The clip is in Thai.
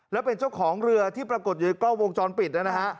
และเป็นเจ้าของเรือที่ปรากฏอยู่ในกล้องวงจรปิดนะฮะ